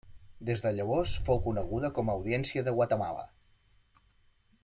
Des de llavors ja fou coneguda com a Audiència de Guatemala.